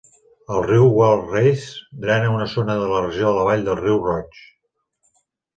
El riu Wild Rice drena una zona de la regió de la vall del riu Roig.